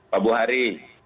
pak bu hari